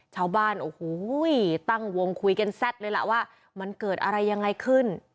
ชาวบ้านโอ้โหตั้งวงคุยกันแซ่ดเลยล่ะว่ามันเกิดอะไรยังไงขึ้น